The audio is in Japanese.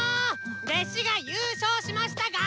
弟子が優勝しましたがーっ！